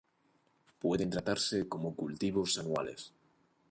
Pueden tratarse como cultivos anuales.